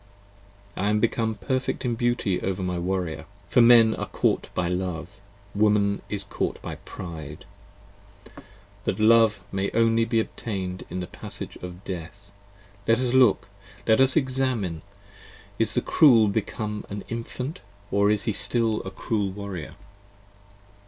I am become perfect in beauty over my Warrior, For Men are caught by Love: Woman is caught by Pride, That Love may only be obtain'd in the passages of Death. Let us look: let us examine: is the Cruel become an Infant Or is he still a cruel Warrior?